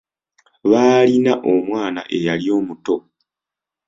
Baalina omwana eyali omuto.